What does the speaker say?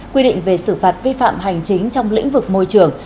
quy định về xử phạt vi phạm hành chính trong lĩnh vực môi trường